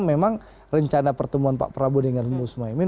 memang rencana pertemuan pak prabowo dengan gus muhaymin